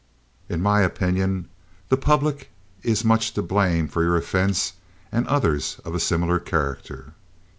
"In my opinion, the public is much to blame for your offense and others of a similar character.